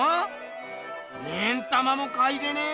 目ん玉もかいてねえど！